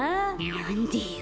なんでよ。